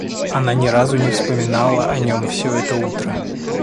Она ни разу не вспоминала о нем всё это утро.